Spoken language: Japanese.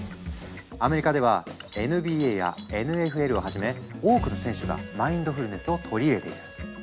アメリカではＮＢＡやＮＦＬをはじめ多くの選手がマインドフルネスを取り入れている。